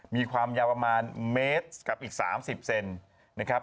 มีความยาวประมาณเมตรกับอีก๓๐เซนนะครับ